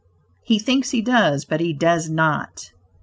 He thinks he does, but he does not.